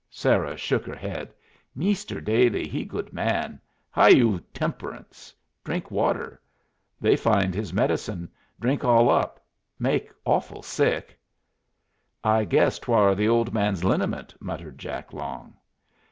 Sarah shook her head. "Meester Dailey he good man. Hy iu temperance. Drink water. They find his medicine; drink all up; make awful sick." "I guess 'twar th' ole man's liniment," muttered Jack Long.